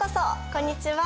こんにちは。